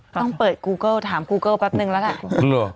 ต้องเปิดกูเกิ้ลถามกูเกิ้แป๊บนึงแล้วกัน